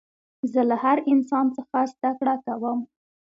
زه له هر انسان څخه زدکړه کوم.